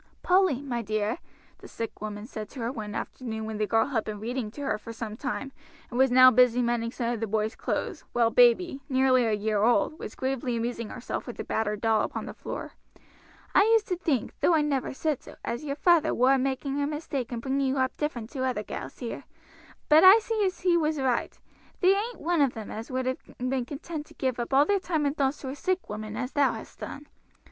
"Polly, my dear," the sick woman said to her one afternoon when the girl had been reading to her for some time, and was now busy mending some of the boys' clothes, while baby, nearly a year old, was gravely amusing herself with a battered doll upon the floor, "I used to think, though I never said so, as your feyther war making a mistake in bringing you up different to other gals here; but I see as he was right. There ain't one of them as would have been content to give up all their time and thoughts to a sick woman as thou hast done.